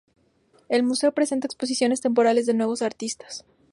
El Museo presenta exposiciones temporales de nuevos artistas.